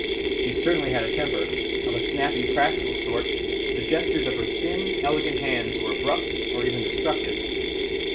She certainly had a temper, of a snappy, practical sort; the gestures of her thin, elegant hands were abrupt or even destructive.